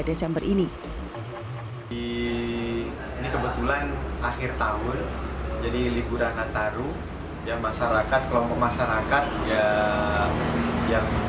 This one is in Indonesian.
desember ini di ini kebetulan akhir tahun jadi liburan nataru yang masyarakat kelompok masyarakat yang